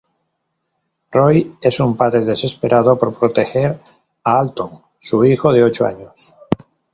Roy es un padre desesperado por proteger a Alton, su hijo de ocho años.